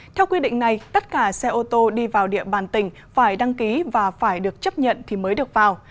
theo quy định này tất cả xe ô tô đi vào địa bàn tỉnh phải đăng ký và phải được chấp nhận thì mới được vào